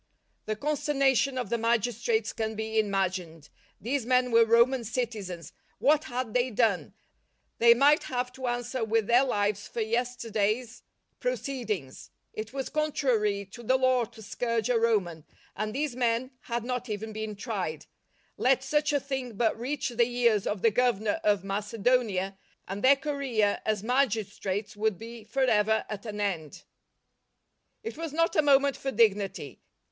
The consternation of the magistrates can be imagined ! These men were Roman citi zens ! What had they done ? They might have to answer with their lives for yesterday's SECOND JOURNEY 67 proceedings. It was contrary to the law to scourge a Roman, and these men had not even been tried. Let such a thing but reach the ears of the Governor of Macedonia, and their career as magistrates w'ould be for ever at an end. It was not a moment for dignity.